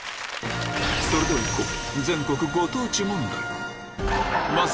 それではいこう！